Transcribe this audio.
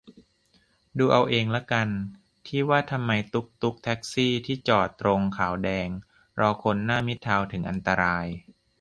ดูเอาเองละกัน ที่ว่าทำไมตุ๊กตุ๊ก แท็กซี่ ที่จอดตรงขาว-แดง รอคนหน้ามิตรทาวน์ถึงอันตราย